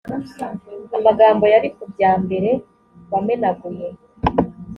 amagambo yari ku bya mbere wamenaguye;